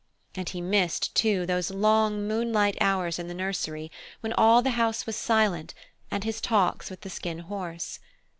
And he missed, too, those long moonlight hours in the nursery, when all the house was silent, and his talks with the Skin Horse.